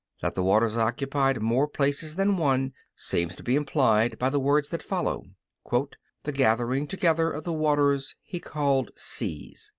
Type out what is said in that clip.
That the waters occupied more places than one seems to be implied by the words that follow, "The gathering together of the waters He called Seas."